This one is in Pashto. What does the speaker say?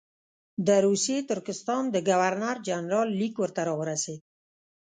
د روسي ترکستان د ګورنر جنرال لیک ورته راورسېد.